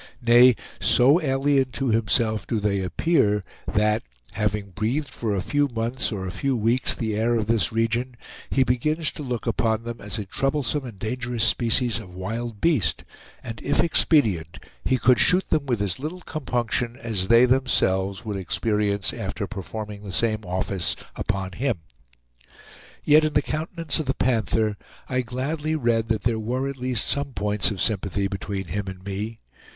Nay, so alien to himself do they appear that, having breathed for a few months or a few weeks the air of this region, he begins to look upon them as a troublesome and dangerous species of wild beast, and, if expedient, he could shoot them with as little compunction as they themselves would experience after performing the same office upon him. Yet, in the countenance of the Panther, I gladly read that there were at least some points of sympathy between him and me.